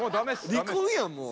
離婚やんもう。